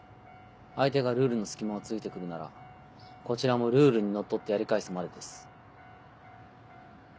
相手がルールの隙間をついてくるならこちらもルールにのっとってやり返すまでです。